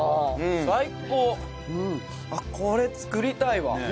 これ作りたいわ。